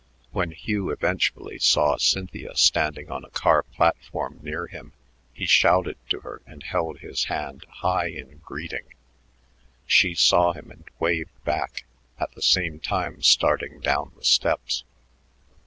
When Hugh eventually saw Cynthia standing on a car platform near him, he shouted to her and held his hand high in greeting. She saw him and waved back, at the same time starting down the steps.